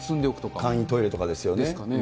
簡易トイレとかですよね。